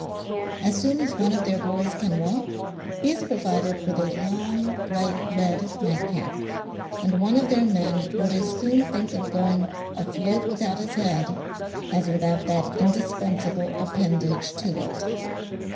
As soon as one of their boys can walk, he is provided with a long bright red nightcap ; and one of their men would as soon think of going afloat without his head, as without that indispensable appendage to it.